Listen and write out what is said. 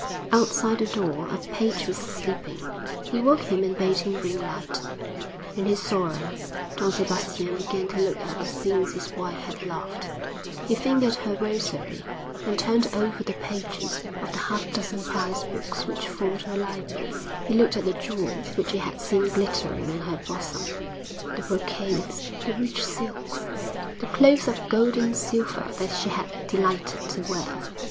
Outside the door a page was sleeping; he woke him and bade him bring light.... In his sorrow, Don Sebastian began to look at the things his wife had loved; he fingered her rosary, and turned over the pages of the half dozen pious books which formed her library; he looked at the jewels which he had seen glittering on her bosom; the brocades, the rich silks, the cloths of gold and silver that she had delighted to wear.